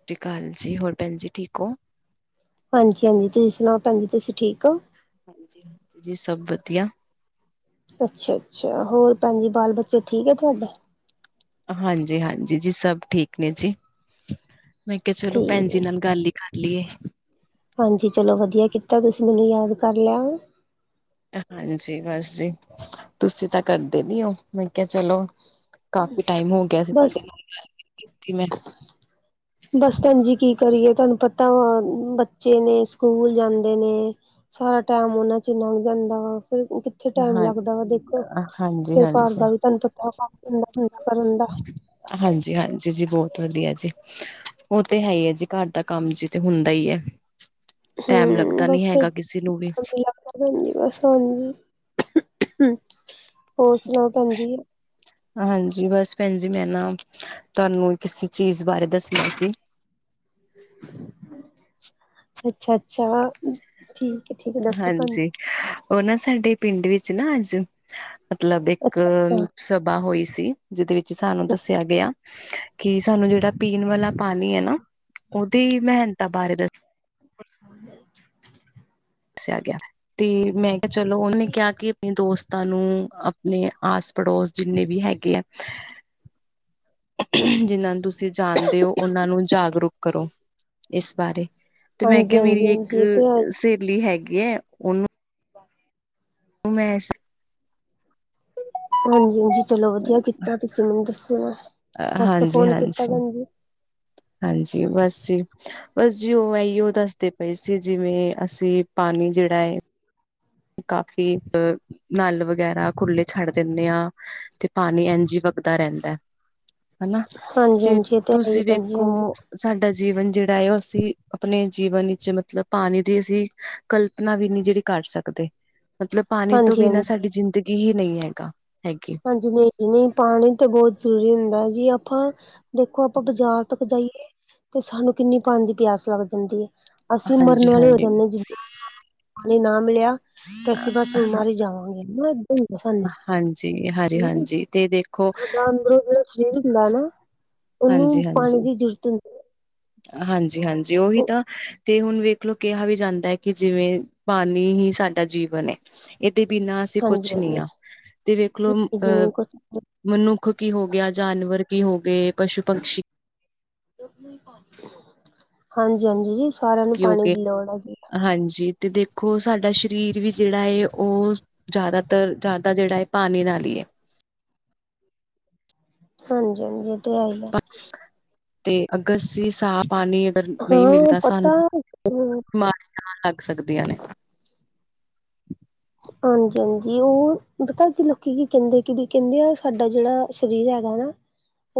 ਸਸ ਸ਼੍ਰੀ ਕਾਲ ਜੀ, ਹੋਰ ਭੈਣ ਜੀ ਠੀਕ ਓ? ਹਾਂਜੀ-ਹਾਂਜੀ ਤੁਸੀਂ ਸੁਨਾਓ ਭੈਣਜੀ ਤੁਸੀਂ ਠੀਕ ਓ? ਹਾਂਜੀ-ਹਾਂਜੀ ਸਭ ਵਦੀਆ। ਅੱਛਾ-ਅੱਛਾ ਹੋਰ ਭੈਣ ਜੀ ਬਾਲ ਬੱਚੇ ਠੀਕ ਐ ਤੁਆਡੇ? ਹਾਂਜੀ-ਹਾਂਜੀ ਜੀ ਸਭ ਠੀਕ ਨੇ ਜੀ, ਮੈਂ ਕੇਆ ਚਲੋ ਠੀਕ ਭੈਣ ਹੈ ਜੀ ਨਾਲ ਗੱਲ ਈ ਕਰ ਲਿਏ। ਹਾਂਜੀ, ਚੱਲੋ ਵਦੀਆ ਕੀਤਾ ਤੁਸੀਂ ਮੈਨੂੰ ਯਾਦ ਕਰ ਲਯਾ। ਹਾਂਜੀ ਬਸ ਜੀ, ਤੁਸੀਂ ਤਾਂ ਕਰਦੇ ਨੀ ਓ। ਮੈਂ ਕੇਆ ਚੱਲੋ ਕਾਫ਼ੀ ਟਾਈਮ ਹੋ ਗਿਆ ਸੀ ਬਸ ਤੁਆਡੇ ਨਾਲ ਗੱਲ ਨੀ ਕੀਤੀ ਮੈਂ। ਬਸ ਭੈਣ ਜੀ ਕੀ ਕਰੀਏ, ਤੁਆਨੂੰ ਪਤਾ ਵਾ ਬੱਚੇ ਨੇ ਸਕੂਲ ਜਾਂਦੇ ਨੇ। ਸਾਰਾ ਟਾਈਮ ਓਨਾਂ'ਚ ਲੰਘ ਜਾਂਦਾ ਵਾ ਫੇਰ ਕਿਥ ਥੇ ਟਾਈਮ ਹਾਂ ਲੱਗਦਾ ਵਾ ਦੇਖੋ ਹਾਂਜੀ ਫੇਰ ਘਰ ਹਾਂਜੀ ਦਾ ਵੀ ਤੁਆਨੂੰ ਪਤਾ ਵਾ [unintelligible] ਕਰਨ ਦਾ। ਹਾਂਜੀ-ਹਾਂਜੀ ਜੀ ਬੋਤ ਵਦੀਆ ਜੀ। ਓ ਤੇ ਹੈ ਈ ਐ ਜੀ, ਘਰ ਦਾ ਕੰਮ ਚ ਤਾਂ ਹੁੰਦਾ ਈ ਐ। ਟੈਮ ਹਮ ਲੱਗਦਾ ਨੀ ਬਸ ਫਿਰ ਹੈਗਾ ਕਿਸੇ ਨੂੰ ਵੀ। ਹਾਂਜੀ ਬਸ ਹਾਂਜੀ, ਹੋਰ ਸੁਨਾਓ ਭੈਣਜੀ। ਹਾਂਜੀ ਬਸ ਭੈਣ ਜੀ ਮੈਂ ਨਾ ਤੁਆਨੂੰ ਕਿਸੀਂ ਚੀਜ਼ ਬਾਰੇ ਦੱਸਨਾ ਸੀ। ਅੱਛਾ-ਅੱਛਾ ਠੀਕ ਐ, ਠੀਕ ਐ ਦੱਸੋ ਭੈਣ ਓ ਨਾ ਸਾਡੇ ਪਿੰਡ ਵਿੱਚ ਨਾ ਅੱਜ ਮਤਲਬ ਇੱਕ ਅੱਛਾ-ਅੱਛਾ, ਸਭਾ ਹੋਈ ਸੀ ਜਿਦੇ ਵਿੱਚ ਸਾਨੂੰ ਦੱਸੇਆ ਗਯਾ ਕਿ ਸਾਨੂੰ ਜੇੜਾ ਪੀਨਾ ਵਾਲਾ ਪਾਣੀ ਐ ਨਾ ਓਦੀ ਮੇਹਨਤਾਂ ਬਾਰੇ ਦੱਸ [inaudible] ਦੱਸਿਆ ਗਯਾ ਤੇ ਮੈਂ ਕੇਆ ਚੱਲੋ ਓਨੇ ਕੇਆ ਕਿ ਅਪਨੇ ਦੋਸਤਾਂ ਨੂੰ, ਅਪਨੇ ਆਸ ਪੜੋਸ ਜਿੰਨੇ ਵੀ ਹੈਗੇ ਐ ਜਿਨਾਂ ਨੂੰ ਤੁਸੀਂ ਜਾਨਾਦੇ ਓ ਓਨਾਂ ਨੂੰ ਜਾਗਰੂਕ ਕਰੋ ਇਸ ਬਾਰੇ। ਤੇ ਮੈਂ ਕੇਆ ਮੇਰੀ ਹਾਂਜੀ-ਹਾਂਜੀ, ਹਾਂਜੀ ਹਾਂਜੀ ਇੱਕ ਹਾਂਜੀ ਇਹ ਤੇ ਹੈ। ਸਹੇਲੀ ਹੈਗੀ ਐ ੳਨੂੰ [inaudible] ੳ ਮੈ ਸ ਹਾਂਜੀ ਹਾਂਜੀ ਚਲੋ ਵਧੀਆ ਕੀਤਾ ਤੁਸੀ ਮੈਨੂੰ ਦੱਸੋਣ ਵਾਸਤੇ ਹਾਂਜੀ ਫੋਨ ਕੀਤਾ ਹਾਂਜੀ ਭੈਨਜੀ। ਹਾਂਜੀ ਬਸ ਜੀ, ਬਸ ਜੀ ੳ ਐਈੳ ਦੱਸਦੇ ਪਏ ਸੀ ਜਿਵੇਂ ਅਸੀ ਪਾਨੀ ਜੇੜਾ ਏ ਕਾਫੀ ਅ ਨਲ ਵਗੈਰਾ ਖੁੱਲੇ ਛੱਡ ਦੇਣੇ ਆ ਤੇ ਪਾਨੀ ਏੰਝ ਜੀ ਵਗਦਾ ਰੈਂਦਾ ਹੈਨਾ, ਤੇ ਹਾਂਜੀ-ਹਾਂਜੀ ਇਹ ਹੈ ਤੁਸੀ ਹੀ ਭੈਣ ਜੀ ਵੇਖੋ ਹਾਂਜੀ। ਸਾਡਾ ਜੀਵਨ ਜੇੜਾ ਏ ੳਹ ਅਸੀ ਅਪਨੇ ਜੀਵਨ ਵਿੱਚ ਮਤਲਬ ਪਾਨੀ ਦੀ ਅਸੀ ਕਲਪਨਾ ਵੀ ਨੀ ਜੇੜੀ ਕਰ ਸਕ ਸਕਦੇ ਮਤਲਬ ਪਾਨੀ ਤੋਂ ਬਿਨਾ ਹਾਂਜੀ-ਹਾਂਜੀ, ਸਾਡੀ ਜਿੰਦਗੀ ਹੀ ਨਹੀ ਹੈਗਾ ਹੈਗੀ। ਹਾਂਜੀ ਨਈ, ਨਈ ਪਾਨੀ ਤੇ ਬੋਤ ਜਰੂਰੀ ਹੁੰਦਾ ਐ ਜੀ। ਆਪਾਂ ਦੇਖੋ ਆਪਾਂ ਬਜਾਰ ਤੱਕ ਜਾਈਏ ਤੇ ਸਾਨੂੰ ਕਿਨੀ ਪਾਨੀ ਦੀ ਪਿਆਸ ਲੱਗ ਜਾਂਦੀ ਏ। ਅਸੀ ਮਰਨ ਹਾਂਜੀ ਵਾਲੇ ਹੋ ਹਾਂਜੀ ਜਾਂਨੇ ਆ ਜੀ। ਨਈ ਨਾ ਮਿਲਿਆ ਤੇ ਅਸੀ ਬਸ ਹਾਂ ਹੁਣਨਮਰ ਹੀ ਜਾਵਾਂਗੇ, ਹੈਨਾ ਏਦਾਂ ਹੀ ਹੁੰਦਾ ਸਾਨੂੰ। ਹਾਂਜੀ ਹਾਂਜੀ ਨਈ ਹਾਂਜੀ ਤੇ ਦੇਖੋ ਸਾਡਾ ਅੰਦਰੋਂ ਜੇੜਾ ਦਿਲ ਹੁੰਦਾ ਐ ਨਾ ੳਨੂੰ ਹਾਂਜੀ ਪਾਨੀ ਦੀ ਜਰੂਰਤ ਹੁੰਦੀ ਹਾਂਜੀ ਹਾਂਜੀ ੳਹੀ ਹੈ। ਤਾਂ ਤੇ ਹੁਨ ਵੇਖ ਲੋ ਕੇਹਾ ਵੀ ਜਾਂਦਾ ਏ ਕਿ ਜਿਵੇਂ ਪਾਨੀ ਹੀ ਸਾਡਾ ਜੀਵਨ ਏ। ਏਦੇ ਬਿਨਾ ਅਸੀ ਕੁਛ ਨੀ ਆ ਹਾਂਜੀ-ਹਾਂਜੀ, ਤੇ ਵੇਖ ਲੋ ਅਹ ਜਿਵੇਂ ਕੁਛ ਮਨੁੱਖ ਕੀ ਹੋ ਗਿਆ, ਜਾਨਵਰ ਕੀ ਹੋ ਗਏ, ਪਸ਼ੂ, ਪੰਛੀ ਹਾਂਜੀ ਹਾਂਜੀ ਜੀ ਸਾਰੇਆਂ ਨੂੰ ਕੀ ਹੋ ਪਾਨੀ ਗਏ ਦੀ ਲੋੜ ਐ ਜੀ। ਹਾਂਜੀ ਤੇ ਦੇਖੋ ਸਾਡਾ ਸਰੀਰ ਵੀ ਜੇੜਾ ਏ ੳ ਜਾਦਾਤਰ, ਜਾਦਾ ਜੇੜਾ ਏ ਪਾਨੀ ਨਾਲ ਈ ਏ। ਹਾਂਜੀ ਹਾਂਜੀ ੳਹ ਤੇ ਹੈ ਈ। ਤੇ ਅਗਰ ਅਸੀ ਸਾਫ ਪਾਨੀ ਨਈ ਹਾਂ ਮਿਲਦਾ ਪਤਾ ਸਾਨੂੰ ਬਿਮਾਰੀਆਂ ਲੱਗ ਸਕਦੀਆਂ ਨੇ। ਹਾਂਜੀ ਹਾਂਜੀ ੳਹ ਪਤਾ ਕੀ ਲੋਕੀ ਕੀ ਕੈਂਦੇ ਕਿ ਵੀ ਕੈਂਦੇ ਆ ਸਾਡਾ ਜੇੜਾ ਸਰੀਰ ਹੈਗਾ ਨਾ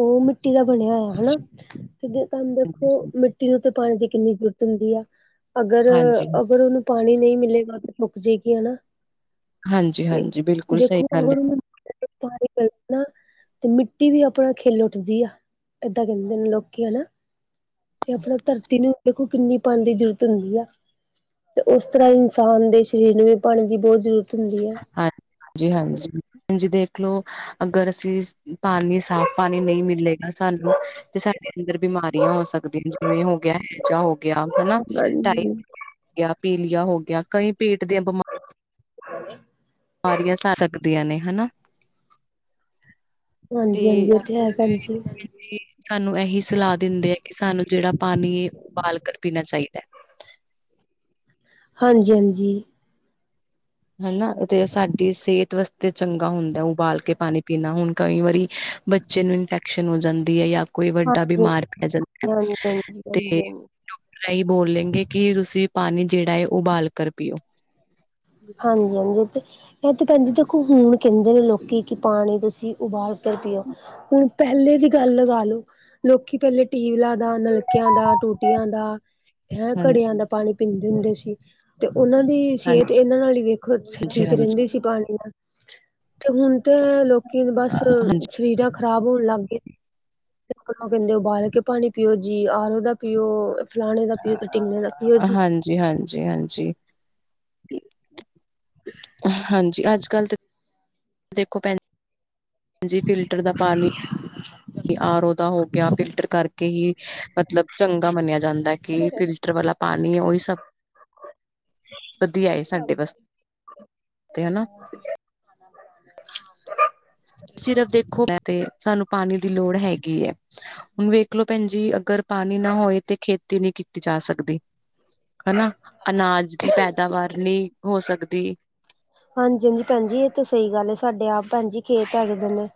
ੳਹ ਮਿੱਟੀ ਦਾ ਬਨੇਆ ਹੋਏਆ ਹੈਨਾ ਤੇ ਤਾਨੂੰ ਦੇਖੋ, ਮਿੱਟੀ ਨੂੰ ਤੇ ਪਾਨੀ ਦੀ ਕਿਨੀ ਜਰੂਰਤ ਹੁੰਦੀ ਆ। ਅਗਰ, ਹਾਂਜੀ-ਹਾਂਜੀ, ਅਗਰ ੳਨੂੰ ਪਾਨੀ ਨਈ ਮਿਲੇਗਾ ਤਾਂ ਮੁੱਕ ਜਾਏਗੀ ਹੈਨਾ। ਹਾਂਜੀ ਹਾਂਜੀ ਬਿਲਕੁਲ ਸਹੀ ਗੱਲ ਏ। ਤੁਮਾਰੀ ਕਲਪਨਾ ਤੇ ਮਿੱਟੀ ਵੀ ਅਪਨਾ ਖਿੱਲ ਉਠਦੀ ਆ, ਏਦਾਂ ਕੈਂਦੇ ਨੇ ਲੋਕੀ ਹੈਨਾ। ਤੇ ਅਪਨਾ ਧਰਤੀ ਨੂੰ ਕਿ ਕਿਨੀ ਪਾਨੀ ਦੀ ਜਰੂਰਤ ਹੁੰਦੀ ਆ ਤੇ ੳਸ ਤਰਾਂ ਇਨਸਾਨ ਦੇ ਸਰੀਰ ਨੂੰ ਵੀ ਪਾਨੀ ਦੀ ਬ ਬੋਤ ਜਰੂਰਤ ਹੁੰਦੀ ਆ। ਹਾਂਜੀ, ਹਾਂਜੀ, ਹਾਂਜੀ ਦੇਖਲੋ ਅਗਰ ਅਸੀ ਪਾਨੀ ਸਾਫ ਪਾਨੀ ਨਈ ਮਿਲੇਗਾ ਸਾਨੂੰ ਤੇ ਸਾਡੇ ਅੰਦਰ ਬਿਮਾਰੀਆਂ ਹੋ ਸਕਦੀਆਂ ਜਿਵੇਂ ਹੋ ਗਿਆ ਹੈਜਾ ਹੋ ਗਿਆ ਹੈਨਾ। [unintelligible] ਯਾ ਪੀਲੀਆ ਹੋ ਗਿਆ ਕਈ ਪੇਟ ਦੀਆਂ ਬਿਮਾਰ ਸਾਰੀਆਂ ਸ ਸਕਦੀਆਂ ਨੇ ਹੈਨਾ। ਤੇ ਹਾਂਜੀ, ਹਾਂਜੀ ਇਹ ਤੇ ਹੈ ਭੈਣ ਜੀ। ਹਾਂਜੀ, ਏ ਸਾਨੂੰ ਏਹੀ ਸਲਾਹ ਦਿੰਦੇ ਆ ਕਿ ਸਾਨੂੰ ਜੇੜਾ ਪਾਨੀ ਏ ਉਬਾਲ ਕਰ ਪੀਨਾ ਚਾਈਦਾ ਹਾਂਜੀ ਹਾਂਜੀ। ਹਨਾ ਤੇ ਸਾਡੀ ਸੇਹਤ ਵਾਸਤੇ ਚੰਗਾ ਹੁੰਦਾ ਉਬਾਲ ਕੇ ਪਾਨੀ ਪੀਨਾ। ਹੁਨ ਕਈ ਵਾਰੀ ਬੱਚੇ ਨੂੰ ਇਨਫੈਕਸ਼ਨ ਹੋ ਜਾਂਦੀ ਏ ਯਾ ਕੋਈ ਵੱਡਾ ਹਾਂਜੀ, ਬਿਮਾਰ ਪੈ ਜਾਂਦਾ ਏ ਹਾਂਜੀ, ਹਾਂਜੀ, ਤੇ ਹਾਂਜੀ। ਡੋਕਟਰ ਐਈ ਬੋਲੇਂਗੇ ਕਿ ਤੁਸੀ ਪਾਣੀ ਸੇਵਾ ਏ ਉਬਾਲ ਕਰ ਪੀਓ ਜਾਂਦੇ ਤੇ ਐ ਤੇ ਭੈਂਜੀ ਦੇਖੋ ਹੁਨ ਕੇਂਦੇ ਨੇ ਲੋਕੀ ਕਿ ਪਾਣੀ ਤੁਸੀ ਉਬਾਲ ਕਰ ਪੀਓ ਹੁਨ ਪੈਹਲੇ ਦੀ ਗੱਲ ਲਗਾ ਲੋੋ ਲੋਕੀ ਪੈਲੇ ਟੀਵਲਾਂ ਦਾ ਨਲਕੇਆਂ ਦਾ ਟੂਟੀਆਂ ਦਾ ਹੈਂ ਘੜੇਆਂ ਹਾਂਜੀ। ਦਾ ਪਾਣੀ ਪੀਂਦੇ ਹੁੰਦੇ ਸੀ ਤੇ ਓਨਾਂ ਦੀ ਸੈਹਤ ਏਨਾਂ ਨਾਲ ਈ ਵੇਖੋ ਹਾਂਜੀ, ਹਾਂਜੀ, ਠੀਕ ਹਾਂਜੀ, ਰੇਂਦੀ ਸੀ। ਪਾਣੀ ਨਾਲ। ਤੇ ਹੁਨ ਤੇ ਲੋਕੀ ਬਸ ਰੀਜਾਂ ਖਰਾਬ ਹੋਨ ਲੱਗ ਗਏ। ਕੇਂਦੇ ਉਬਾਲ ਕੇ ਪਾਣੀ ਪੀਓ ਜੀ। ਆਰੋ ਦਾ ਪੀਓ, ਫਲਾਣੇ ਦਾ ਪੀਓ ਤੇ ਟਿੰਗੜੇ ਦਾ ਪੀਓ ਜੀ। ਜੀ ਹਾਂਜੀ ਹਾਂਜੀ। ਠੀਕ ਏ। ਹਾਂਜੀ ਅੱਜ ਕੱਲ ਤੇ ਦੇਖੋ ਭੈਣ ਜੀ ਫਿਲਟਰ ਦਾ ਪਾਣੀ ਆਰ ਓ ਤਾ ਹੋ ਗੈਆ ਫਿਲਟਰ ਕਰਕੇ ਹੀ ਮਤਲਬ ਚੰਗਾ ਮੰਨੇਆ ਜਾਂਦਾ ਐ ਕਿ ਫਿਲਟਰ ਵਾਲਾ ਪਾਨੀ ਓਈ ਸਭ ਵਧੀਆ ਏ ਸਾਡੇ ਵਾਸਤੇ ਹੈਨਾ। ਸਿਰਫ ਦੇਖੋ ਤੇ ਸਾਨੂੰ ਪਾਨੀ ਦੀ ਲੋੜ ਹੈਗੀ ਐ। ਹੁਣ ਵੇਖਲੋ ਭੈਣ ਜੀ ਅਗਰ ਪਾਣੀ ਨਾ ਹੋਏ ਤੇ ਖੇਤੀ ਨੀ ਕੀਤੀ ਜਾ ਸਕਦੀ। ਹੈਨਾ, ਅਨਾਜ ਪੈਦਾਵਾਰ ਨੀ ਹੋ ਸਕਦੀ। ਹਾਂਜੀ ਹਾਂਜੀ ਭੈਣਜੀ ਏ ਤੇ ਸਈ ਗੱਲ ਏ। ਸਾਡੇ ਆਪ ਭੈਣ ਜੀ ਖੇਤ ਹੈਗੇ ਦੇ ਨੇ।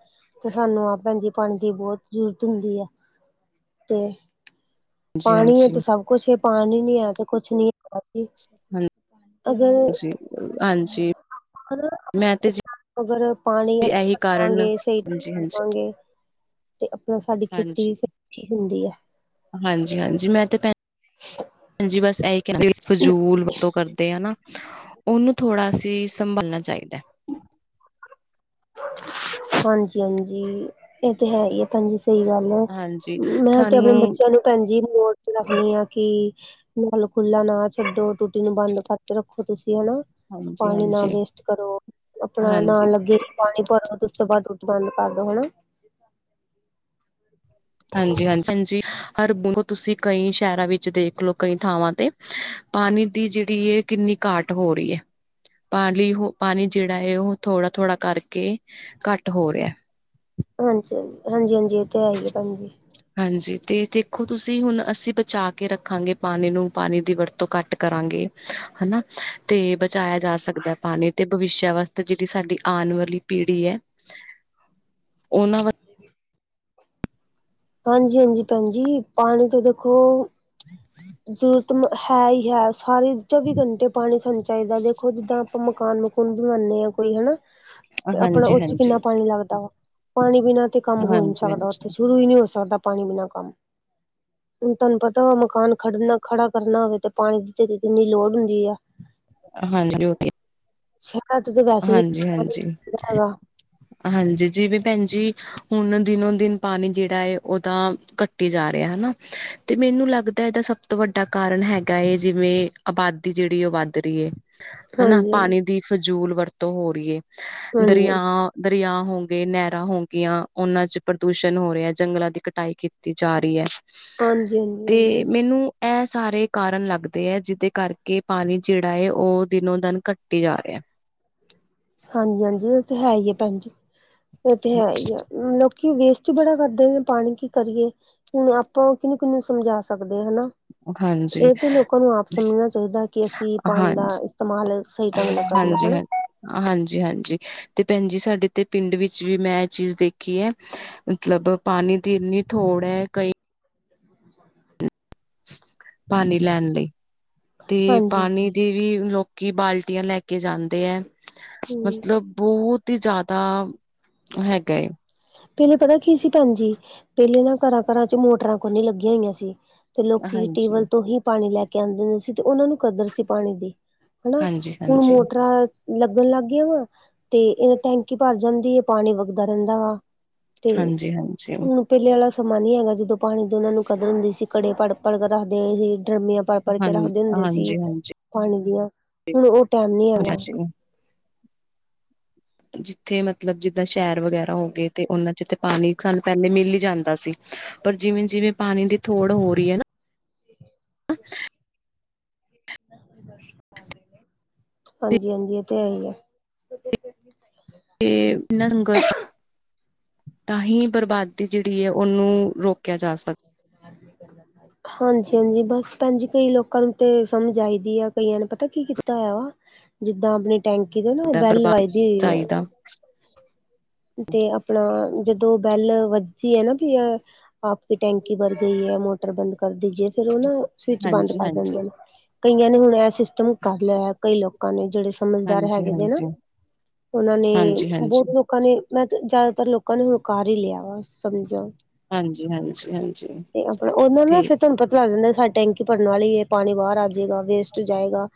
ਤੇ ਸਾਨੂੰ ਆਪ ਭੈਣ ਜੀ ਪਾਣੀ ਦੀ ਬੋਤ ਜਰੂਰਤ ਹੁੰਦੀ ਐ ਤੇ ਹਾਂਜੀ, ਪਾਣੀ ਏ ਹਾਂਜੀ। ਤੇ ਸਭ ਕੁਛ ਏ। ਪਾਣੀ ਨੀ ਹੈ ਤੇ ਕੁਛ ਨੀ ਜੀ ਅਗਰ ਹੂਂ-ਜੀ ਹਾਂਜੀ। ਮੈਂ ਤੇ ਜੀ [inaudible] ਅਗਰ ਪਾਣੀ ਇਹੀ ਅੱਛਾ ਕਾਰਨ ਲਾਂਗੇ ਸਈ ਹਾਂਜੀ, ਹਾਂਜੀ, [unintelligible] ਤੇ ਅਪਨਾ ਸਾਡੀ ਖੇਤੀ ਹਾਂਜੀ। [unintelligible] ਹੁੰਦੀ ਐ ਹਾਂਜੀ ਹਾਂਜੀ ਮੈਂ ਤੇ ਭੈਣ ਜੀ ਬਸ ਐਈ ਕੈ ਫਜੂਲ ਵਰਤੋਂ ਕਰਦੇ ਆਂ ਨਾ ਓਨੂੰ ਥੋੜਾ ਸੀ ਸੰਭਲਨਾ ਚਾਈਦੈ ਹਾਂਜੀ ਹਾਂਜੀ ਏ ਤੇ ਹੈ ਈ ਐ ਭੈਣ ਜੀ ਸਈ ਗੱਲ ਐ। ਹਾਂਜੀ ਮੈਂ ਤੇ ਅਪਨੇ ਸਾਨੂੰ ਬੱਚੇਆਂ ਨੂੰ ਭੈਣ ਜੀ ਮੋਟ ਰੱਖਨੀ ਆਂ ਕਿ ਨਲ ਖੁੱਲਾ ਨਾ ਛੱਡੋ, ਟੂਟੀ ਨੂੰ ਬੰਦ ਕਰਕੇ ਰੱਖੋ ਤੁਸੀ ਹਨਾ ਹਾਂਜੀ, ਹਾਂਜੀ। ਪਾਣੀ ਨਾ ਹਾਂਜੀ, ਵੇਸਟ ਕਰੋ ਅਪਣਾ ਹਾਂਜੀ, ਨਾਨ ਲੱਗੇ ਪਾਣੀ ਭਰੋ ਤੇ ਉਸ ਤੋਂ ਬਾਦ ਟੁੱਟੀ ਬੰਦ ਕਰਦੋ ਹਨਾ [inaudible] ਹਾਂਜੀ ਹਾਂਜੀ ਹਾਂਜੀ ਹਰ ਤੁਸੀਂ ਕਈ ਸੈ਼ਰਾਂ ਵਿੱਚ ਦੇਖ ਲੋ ਕਈ ਥਾਵਾਂ ਤੇ ਪਾਣੀ ਦੀ ਜੇੜੀ ਏ ਕਿੰਨੀ ਘਾਟ ਹੋ ਰੀਐ। ਪਾਲੀ ਹੋ ਪਾਣੀ ਜੇੜਾ ਐ ਓ ਥੋੜਾ ਥੋੜਾ ਕਰਕੇ ਘੱਟ ਹੋ ਰੇਐ ਹਾਂਜੀ ਹਾਂਜੀ ਹਾਂਜੀ ਹਾਂਜੀ ਏ ਤੇ ਹੈ ਈ ਏ ਭੈਂਜੀ। ਹਾਂਜੀ ਤੇ ਦੇਖੋ ਤੁਸੀਂ ਹੁਨ ਅਸੀ ਬਚਾ ਕੇ ਰੱਖਾਂਗੇ ਪਾਣੀ ਨੂੰ। ਪਾਣੀ ਦੀ ਵਰਤੋਂ ਘੱਟ ਕਰਾਂਗੇ। ਹਨਾ, ਤੇ ਬਚਾਏਆ ਜਾ ਸਕਦਾ ਪਾਣੀ ਤੇ ਭਵਿਸੇ਼ ਵਾਸਤੇ ਜੇੜੀ ਸਾਡੀ ਆਣ ਵਾਲੀ ਪੀੜੀ ਐ ਓਨਾਂ ਵਾ ਹਾਂਜੀ ਹਾਂਜੀ ਭੈਣਜੀ, ਪਾਣੀ ਤੋ ਦੇਖੋ ਜਰੂਰਤ ਹੈ ਈ ਹੈ। ਸਾਰੀ ਚੌਵੀ ਘੰਟੇ ਪਾਣੀ ਸਾਨ ਚਾਈਦਾ। ਦੇਖੋ ਜਿੱਦਾਂ ਆਪਾਂ ਮਕਾਨ ਓਧਰੂੰ ਆਨੇ ਆ ਕੋਈ ਹਨਾ, ਤੇ ਆਪਣਾ ਓਰ ਹਾਂਜੀ 'ਚ ਹਾਂਜੀ ਕਿੰਨਾ ਪਾਣੀ ਲੱਗਦਾ ਵਾ। ਪਾਣੀ ਬਿਨਾਂ ਤੇ ਕੰਮ ਹੋ ਈ ਨੀ ਹਾਂਜੀ ਸਕਦਾ, ਓਥੇ ਹਾਂਜੀ ਸ਼ੁਰੂ ਈ ਨੀ ਹੋ ਸਕਦਾ। ਪਾਣੀ ਬਿਨਾਂ ਕੰਮ, ਹੁਣ ਤਾਨੂੰ ਪਤਾ ਵਾ ਮਕਾਨ ਖੜਨਾ ਖੜਾ ਕਰਨਾ ਹੋਵੇ ਤੇ ਪਾਣੀ ਦੀ ਕਿੰਨੀ ਲੋੜ ਹੁੰਦੀ ਆ। ਹਾਂਜੀ ਓਹੀ ਸ਼ੈਰਾ ਤੇ ਵੈਸੇ ਵੀ ਪਾਨੀ ਹਾਂਜੀ ਨੀ ਹੈਗਾ। ਹਾਂਜੀ ਜਿਵੇਂ ਭੈਣ ਜੀ ਹੁਣ ਦਿਨੋ ਦਿਨ ਪਾਣੀ ਜੇੜਾ ਏ ਓਦਾ ਕ- ਘਟੀ ਜਾ ਰਿਆ ਹਨਾ ਤੇ ਮੈਨੂੰ ਲੱਗਦਾ ਏਦਾ ਸਭ ਵੱਡਾ ਕਾਰਨ ਹੈਗਾ ਏ, ਜਿਵੇਂ ਆਬਾਦੀ ਜੇੜੀ ਓ ਵੱਧ ਰੀ ਏ। ਹਨਾ ਹਾਂਜੀ ਪਾਣੀ ਹਾਂਜੀ ਦੀ ਫਜੂਲ ਵਰਤੋਂ ਹੋ ਰੀ ਏ। ਹਾਂਜੀ ਹਾਂਜੀ। ਦਰਿਆ- ਦਰਿਆ ਹੋ ਗੇ, ਨੈਰਾਂ ਹੋ ਗੀਆਂ ਓਨਾਂ 'ਚ ਪ੍ਰਦੂਸ਼ਣ ਹੋ ਰਿਆ। ਜੰਗਲਾਂ ਦੀ ਕਟਾਈ ਕੀਤੀ ਜਾ ਰੀ ਐ। ਹਾਂਜੀ ਹਾਂਜੀ ਤੇ ਮੈਨੂੰ ਐ ਸਾਰੇ ਕਾਰਨ ਲੱਗਦੇ ਐ, ਜਿਦੇ ਕਰਕੇ ਪਾਣੀ ਜੇੜਾ ਏ ਓ ਦਿਨੋ ਦਿਨ ਘੱਟੀ ਜਾ ਰਿਆ। ਹਾਂਜੀ ਹਾਂਜੀ ਓ ਤੇ ਹੈ ਈ ਐ ਭੈਣ ਜੀ, ਓ ਤੇ ਹੈ ਈ ਐ। ਲੋਕ- ਕੀ ਵੇਸਟ ਈ ਬੜਾ ਕਰਦੇ ਨੇ ਪਾਣੀ, ਕੀ ਕਰੀਏ ਹੁਣ ਆਪਾਂ ਓ ਕਿਨੂੰ-ਕਿਨੂੰ ਸਮਝਾ ਸਕਦੇ ਆਂ ਹਨਾ। ਹਾਂਜੀ ਏ ਤੇ ਲੋਕਾਂ ਨੂੰ ਆਪ ਸਮਝਣਾ ਚਾਈਦਾ ਕਿ ਅਸੀਂ ਪਾਣੀ ਦਾ ਏਸਤਮਾਲ ਹਾਂਜੀ ਹਾਂਜੀ। ਹਾਂਜੀ ਹਾਂਜੀ ਤੇ ਭੈਣ ਜੀ ਸਾਡੇ ਤੇ ਪਿੰਡ ਵਿੱਚ ਵੀ ਮੈਂ ਐ ਚੀਜ਼ ਦੇਖੀ ਐ। ਮਤਲਬ ਪਾਣੀ ਦੀ ਇੰਨੀਂ ਥੋੜ ਐ ਕਈ [inaudible] ਪਾਣੀ ਲੈਣ ਲਈ, ਤੇ ਹਾਂਜੀ ਪਾਣੀ ਹਾਂਜੀ ਦੀ ਵੀ ਲੋਕੀ ਬਾਲਟੀਆਂ ਲੈ ਕੇ ਜਾਂਦੇ ਐ। ਹਮ ਮਤਲਬ ਬੋਤ ਈ ਜ਼ਾਦਾ ਹੈਗਾ ਏ। ਪੈਲੇ ਪਤਾ ਕੀ ਸੀ ਭੈਣ ਜੀ, ਪੈਲੇ ਨਾ ਘਰਾਂ-ਘਰਾਂ 'ਚ ਮੋਟਰਾਂ ਕੋਈ ਨੀ ਲੱਗੀਆਂ ਹੋਈਆਂ ਸੀ। ਤੇ ਲੋਕੀ ਹਾਂਜੀ, ਟਿਊਵੈਲ ਤੋਂ ਹੀ ਪਾਣੀ ਲੈ ਕੇ ਆਂਦੇ ਹੁੰਦੇ ਸੀ, ਤੇ ਓਨਾਂ ਨੂੰ ਕਦਰ ਸੀ ਪਾਣੀ ਦੀ। ਹਨਾ। ਹਾਂਜੀ, ਹਾਂਜੀ, ਹੁਣ ਹਾਂਜੀ, ਮੋਟਰਾਂ ਲੱਗਣ ਲੱਗ ਗੀਆਂ ਵਾਂ। ਤੇ ਏ ਟੈਂਕੀ ਭਰ ਜਾਂਦੀ ਏ, ਪਾਣੀ ਵਗਦਾ ਰੈਂਦਾ ਵਾ। ਤੇ ਹਾਂਜੀ, ਹਾਂ ਪੈਲੇ ਆਲਾ ਸਮਾਂ ਨੀ ਹੈਗਾ, ਜਦੋਂ ਪਾਣੀ ਦੇ ਓਨਾਂ ਨੂੰ ਕਦਰ ਹੁੰਦੀ ਸੀ। ਘੜੇ ਪੜ-ਭੜ ਕੇ ਰੱਖਦੇ ਸੀ, ਡਰਮੀਆਂ ਪੜ-ਭੜ ਕੇ ਰੱਖਦੇ ਹੁੰਦੇ ਸੀ। ਹਾਂਜੀ, ਹਾਂਜੀ। ਪਾਣੀ ਦੀਆਂ। ਹੁਣ ਓ ਟੈਮ ਨੀ ਹੈਗਾ। ਹਾਂਜੀ, ਜਿੱਥੇ ਮਤਲਬ ਜਿੱਦਾਂ ਸ਼ੈਰ ਵਗੈਰਾ ਹੋ ਗੇ ਤੇ ਓਨਾਂ 'ਚ ਤੇ ਪਾਣੀ ਸਾਨੂੰ ਪੈਲੇ ਮਿਲ ਈ ਜਾਂਦਾ ਸੀ। ਪਰ ਜਿਵੇਂ-ਜਿਵੇਂ ਪਾਣੀ ਦੀ ਥੋੜ ਹੋ ਰੀ ਐ ਨਾ। ਹ [inaudible] ਨਾ ਹਾਂਜੀ ਹਾਂਜੀ, ਏ ਤੇ ਹੈ ਈ ਐ। [unintelligible] ਤੇ ਏਨਾਂ ਸੰਘਰਸ਼, ਤਾਂਹੀ ਬਰਬਾਦੀ ਜੇੜੀ ਏ ਓਨੂੰ ਰੋ- ਰੋਕਿਆ ਜਾ ਸਕ- ਹਾਂਜੀ ਹਾਂਜੀ, ਬਸ ਭੈਣ ਜੀ ਕਈ ਲੋਕਾਂ ਨੂੰ ਤੇ ਸਮਝ ਆਈ ਦੀ ਆ, ਕਈਆਂ ਨੇ ਪਤਾ ਕੀ ਕੀਤਾ ਹੋਇਆ ਵਾ। ਜਿੱਦਾਂ ਆਪਣੀ ਟੈਂਕੀ ਦੇ ਨਾ, ਓ ਬੈਲ ਬਰਬਾਦ ਲਵਾਈ ਦੀ ਹੋਈ ਆ। ਚਾਹੀਦਾ ਤੇ ਆਪਣਾ ਜਦੋਂ ਬੈਲ ਵੱਜੀ ਦੀ ਏ ਨਾ ਵੀ ਆ ਕੀ ਟੈਂਕੀ ਭਰ ਗਈ ਐ, ਮੋਟਰ ਬੰਦ ਕਰ ਦੀ ਜੇ। ਫੇਰ ਓ ਨਾ ਸਵਿਚ ਬੰਦ ਹਾਂਜੀ, ਹਾਂਜੀ, ਕਰ ਹਾਂਜੀ, ਦਿੰਦੇ ਨੇ। ਕਈਆਂ ਨੇ ਹੁਣ ਐ ਸਿਸਟਮ ਕਰ ਲਿਆ ਹੋਇਆ, ਕਈ ਲੋਕਾਂ ਨੇ ਜੇੜੇ ਸਮਝਦਾਰ ਹਾਂਜੀ, ਹੈਗੇ ਨੇ ਨਾ। ਹਾਂਜੀ, ਓਨਾਂ ਨੇ ਬੋਤ ਹਾਂਜੀ। ਲੋਕ ਲੋਕਾਂ ਨੇ ਮੈਂ ਜਾਦਾਤਰ ਲੋਕਾਂ ਨੇ ਹੁਣ ਕਰ ਈ ਲਿਆ ਵਾ ਸਮਝੋ। ਹਾਂਜੀ- ਹਾਂਜੀ, ਹਾਂ। ਤੇ ਆਪਣਾ ਉਨਾਂ ਨਾਲ ਫ਼ਿਰ ਤੁਹਾਨੂੰ ਪਤਾ ਲੱਗ ਜਾਂਦਾ ਵੀ ਸਾਡੀ ਟੈਂਕੀ ਭਰਨ ਵਾਲੀ ਏ ਪਾਣੀ ਬਾਹਰ ਆ -ਜੇਗਾ ਵੇਸਟ ਜਾਏਗਾ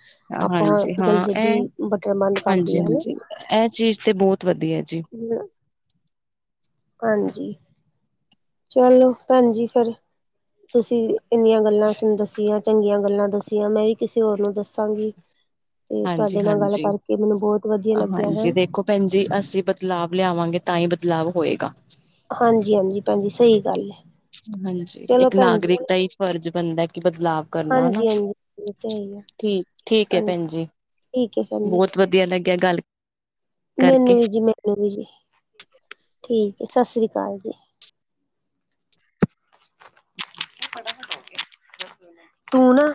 ਆਪਾਂ ਹਾਂਜੀ ਹਾਂ ਜਲਦੀ-ਜਲਦੀ ਬਟਨ ਬੰਦ ਕਰਦੀਏ ਹਨਾ। ਐ ਚੀਜ਼ ਤੇ ਬੋਹਤ ਵਧੀਆ ਜੀ। [unintelligible] ਹਾਂਜੀ। ਚਲੋ ਭੈਣਜੀ ਫੇਰ ਤੁਸੀਂ ਇੰਨੀਆਂ ਗੱਲਾਂ ਸੋਨੂੰ ਦੱਸੀਆਂ, ਚੰਗੀਆਂ ਗੱਲਾਂ ਦੱਸੀਆਂ ਮੈਂ ਵੀ ਕਿਸੇ ਹੋਰ ਨੂੰ ਦੱਸਾਂਗੀ। [inaudible] ਤੇ ਤੁਹਾਡੇ ਨਾਲ ਗੱਲ ਹਾਂਜੀ-ਹਾਂਜੀ, ਕਰਕੇ ਮੈਨੂੰ ਬਹੁਤ ਵਧੀਆ ਲੱਗਿਆ ਹੈ। ਭੈਣਜੀ ਅਸੀਂ ਬਦਲਾਵ ਲਿਆਵਾਂਗੇ ਤਾਂ ਈ ਬਦਲਾਵ ਹੋਏਗਾ। ਹਾਂਜੀ- ਹਾਂਜੀ ਭੈਣਜੀ ਸਈ ਗੱਲ ਐ। ਹਾਂਜੀ, ਇੱਕ ਨਾਗਰਿਕ ਦਾ ਈ ਫਰਜ਼ ਬਣਦਾ ਕਿ ਬਦਲਾਵ ਕਰਨਾ ਹਨਾ। ਹਾਂਜੀ ਹਾਂਜੀ ਇਹ ਤੇ ਹੈ ਹੀ ਆ ਠੀਕ- ਠੀਕ ਐ ਹਾਂਜੀ ਭੈਣਜੀ, ਠੀਕ ਹੈ ਭੈਣ ਜੀ। ਬਹੁਤ ਵਧੀਆ ਲੱਗਿਆ ਗੱਲ ਕਰਕੇ। ਮੈਨੂੰ ਵੀ ਜੀ- ਮੈਨੂੰ ਵੀ ਜੀ ਠੀਕ ਐ ਸਾਸਰੀ ਕਾਲ ਜੀ। ਤੂੰ ਨਾ